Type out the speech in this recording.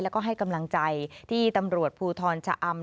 แล้วก็ให้กำลังใจที่ตำรวจภูทรชะอำ